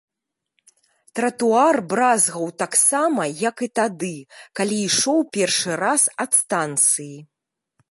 Тратуар бразгаў таксама, як і тады, калі ішоў першы раз ад станцыі.